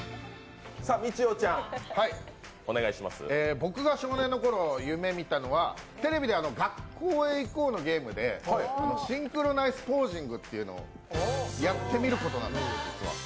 僕が少年のころ夢見たのはテレビで「学校へ行こう！」のゲームで「シンクロナイスポージング」っていうのをやってみることなんです。